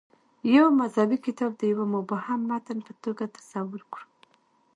یو مذهبي کتاب د یوه مبهم متن په توګه تصور کړو.